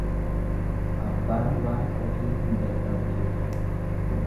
Abbaan waan ofii hin dadhabu jechuudha.